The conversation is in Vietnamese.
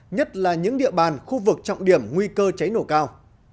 nhất là những địa bàn khu vực trọng điểm nguy cơ cháy nổ cao